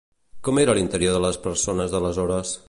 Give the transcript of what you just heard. Com era l'interior de les persones d'aleshores?